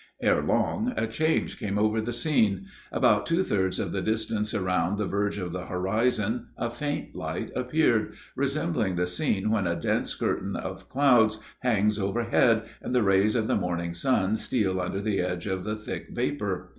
Ere long, a change came over the scene. About two thirds of the distance around the verge of the horizon a faint light appeared, resembling the scene when a dense curtain of clouds hangs overhead, and the rays of the morning sun steal under the edge of the thick vapor.